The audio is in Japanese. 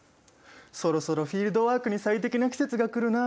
そろそろフィールドワークに最適な季節が来るな。